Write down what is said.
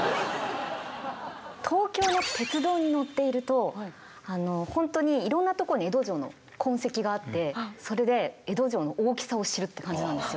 東京の鉄道に乗っていると本当にいろんなとこに江戸城の痕跡があってそれで江戸城の大きさを知るって感じなんですよ。